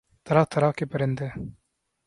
طرح طرح کے پرندے